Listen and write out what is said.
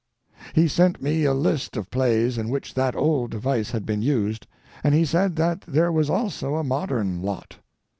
He sent me a list of plays in which that old device had been used, and he said that there was also a modern lot.